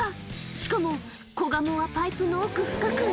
しかも、子ガモはパイプの奥深くへ。